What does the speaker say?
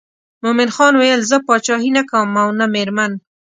مومن خان ویل زه پاچهي نه کوم او نه مېرمن.